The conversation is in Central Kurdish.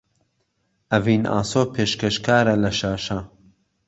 ئەڤین ئاسۆ پێشکەشکارە لە شاشە